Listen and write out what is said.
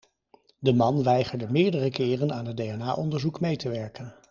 De man weigerde meerdere keren aan het DNA-onderzoek mee te werken.